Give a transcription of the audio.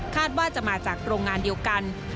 ว่าจะมาจากโรงงานเดียวกัน